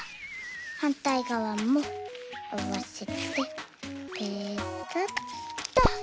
はんたいがわもあわせてペタッと。